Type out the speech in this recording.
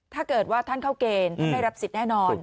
ถ้าเกิดว่าท่านเข้าเกณฑ์ท่านได้รับสิทธิ์แน่นอน